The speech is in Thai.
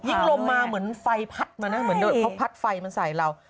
ลมมาเหมือนไฟพัดมานะเหมือนเขาพัดไฟมาใส่เรา